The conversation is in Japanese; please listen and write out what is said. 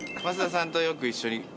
増田さんとよく一緒に。